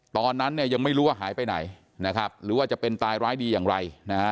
ตอนนั้นยังไม่รู้ว่าหายไปไหนหรือว่าจะเป็นตายร้ายดีอย่างไร